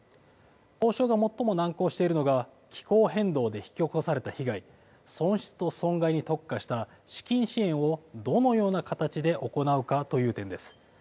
交渉が最も難航しているのが、気候変動で引き起こされた被害、損失と損害に特化した資金支援をどのような形で行うかという点です。